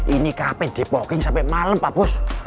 ini cafe depoking sampe malem pak bos